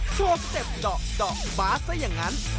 โชว์เจ็บดอกดอกบาสซะอย่างนั้น